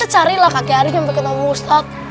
carilah kakek ari sampai ketemu ustadz